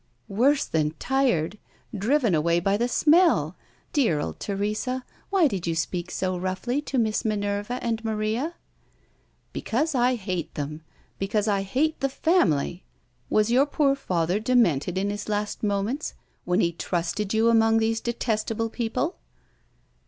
"Worse than tired driven away by the smell! Dear old Teresa, why did you speak so roughly to Miss Minerva and Maria?" "Because I hate them! because I hate the family! Was your poor father demented in his last moments, when he trusted you among these detestable people?"